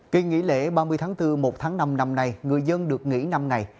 kỳ nghỉ lễ ba mươi tháng bốn một tháng năm năm nay người dân được nghỉ năm ngày